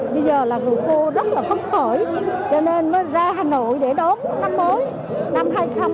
bây giờ là người cô rất là khóc khởi cho nên mới ra hà nội để đón năm mới năm hai nghìn hai mươi ba